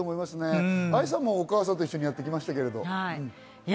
愛さんもお母さんと一緒にやってきましたけれども。